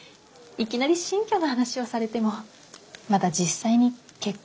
いきなり新居の話をされてもまだ実際に結婚もしてないわけですから。